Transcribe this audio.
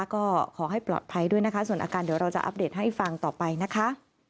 ก็ขอให้ปลอดภัยด้วยนะคะส่วนอาการเดี๋ยวเราจะอัปเดตให้ฟังต่อไปนะคะ